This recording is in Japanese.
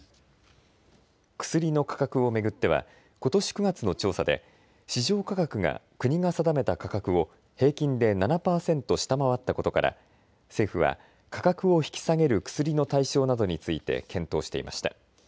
薬の価格を巡ってはことし９月の調査で市場価格が国が定めた価格を平均で７％下回ったことから政府は価格を引き下げる薬の対象などについて検討していました。